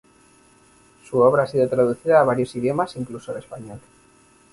Su obra ha sido traducida a varios idiomas incluso el español.